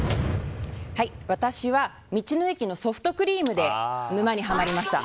私は道の駅のソフトクリームで沼にハマりました。